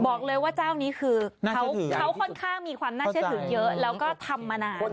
บอกเลยว่าเจ้านี้คือเขาค่อนข้างมีความน่าเชื่อถือเยอะแล้วก็ทำมานาน